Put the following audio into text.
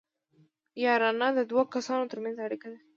یارانه د دوو کسانو ترمنځ اړیکه ده